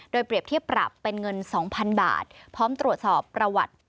โดยเปรียบเทียบปรับเป็นเงิน๒๐๐๐บาทพร้อมตรวจสอบประวัติ